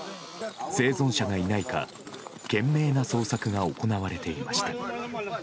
生存者がいないか懸命な捜索が行われていました。